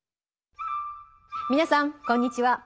皆さんこんにちは。